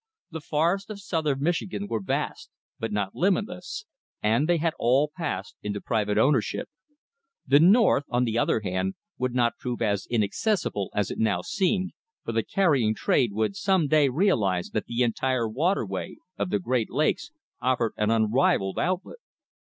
The forests of southern Michigan were vast, but not limitless, and they had all passed into private ownership. The north, on the other hand, would not prove as inaccessible as it now seemed, for the carrying trade would some day realize that the entire waterway of the Great Lakes offered an unrivalled outlet.